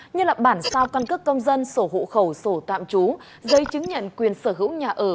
như bản sao căn cước công dân sổ hộ khẩu sổ tạm trú giấy chứng nhận quyền sở hữu nhà ở